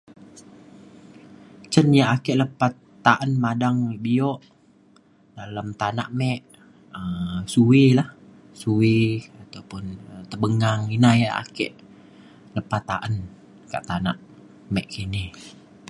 cin yak lepa ake ta’an madang bio dalem tanak me um suwi lah suwi ataupun tebengang. ina yak ake lepa ta’an kak tanak me kini.